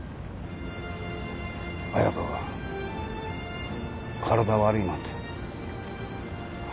彩佳が体悪いなんて。